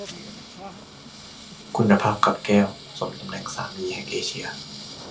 คุณภาพคับแก้ว สมตำแหน่งสามีแห่งเอเชีย